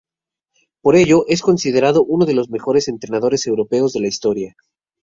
Por ello es considerado uno de los mejores entrenadores europeos de la historia.